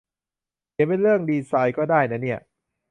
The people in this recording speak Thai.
เขียนเป็นเรื่องดีไซน์ก็ได้นะเนี่ย